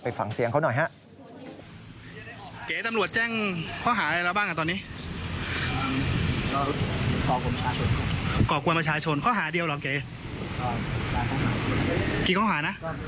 ฟังเสียงเขาหน่อยฮะ